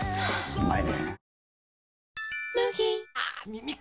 うまいねぇ。